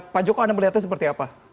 pak joko anda melihatnya seperti apa